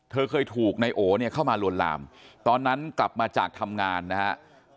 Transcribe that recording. เธอเคยถูกในโอเข้ามารวนรามตอนนั้นกลับมาจากทำงานนะครับ